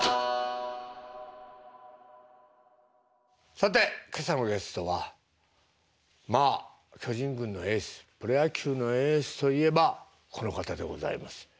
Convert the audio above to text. さて今朝のゲストはまあ巨人軍のエースプロ野球のエースといえばこの方でございます。